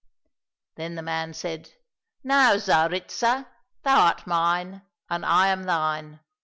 Then the man said, " Now, Tsaritsa, thou art mine and I am thine."